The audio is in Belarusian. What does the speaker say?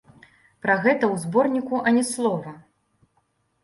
Пра гэта ў зборніку ані слова.